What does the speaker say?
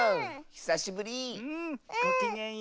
ひさしぶり！